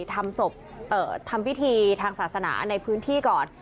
ทำพิธีทางศาสนาในพื้นที่ก่อน